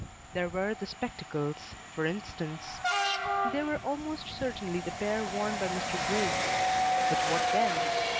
There were the spectacles, for instance. They were almost certainly the pair worn by Mr. Graves. But what then?